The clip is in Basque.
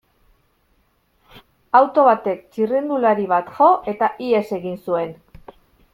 Auto batek txirrindulari bat jo, eta ihes egin zuen.